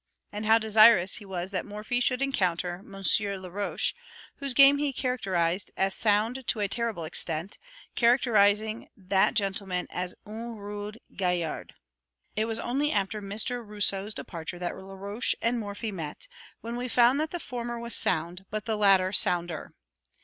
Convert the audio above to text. and how desirous he was that Morphy should encounter Monsieur Laroche, whose game he characterized as sound to a terrible extent, characterizing that gentleman as "un rude gaillard." It was only after Mr. Rousseau's departure that Laroche and Morphy met, when we found that the former was "sound," but the latter "sounder."